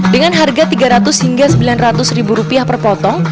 dengan harga tiga ratus hingga sembilan ratus ribu rupiah per potong